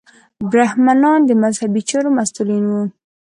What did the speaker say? برهمنان د مذهبي چارو مسوولین وو.